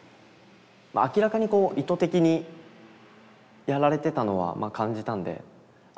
明らかにこう意図的にやられてたのはまあ感じたんであ